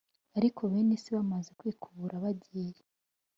Ariko bene se bamaze kwikubura bagiye